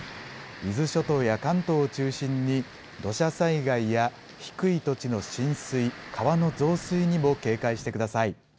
伊豆諸島や関東を中心に、土砂災害や低い土地の浸水、川の増水にも警戒してください。